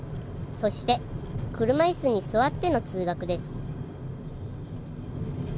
そして車いすに座っての通学です